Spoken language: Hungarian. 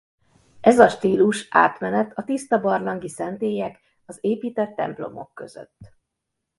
Ez a stílus átmenet a tiszta barlangi szentélyek az épített templomok között.